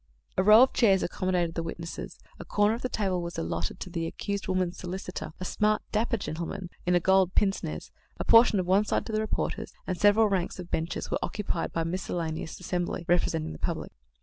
A row of chairs accommodated the witnesses, a corner of the table was allotted to the accused woman's solicitor, a smart dapper gentleman in gold pince nez, a portion of one side to the reporters, and several ranks of benches were occupied by a miscellaneous assembly representing the public.